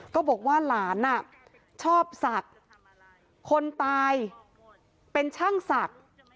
ก็บอกว่าหลานชอบศักดิ์คนตายเป็นช่างศักดิ์